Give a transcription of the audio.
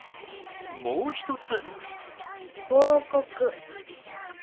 もう一つ。